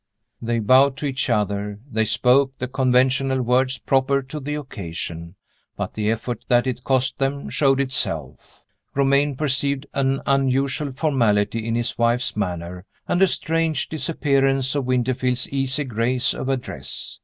They bowed to each other; they spoke the conventional words proper to the occasion but the effort that it cost them showed itself. Romayne perceived an unusual formality in his wife's manner, and a strange disappearance of Winterfield's easy grace of address.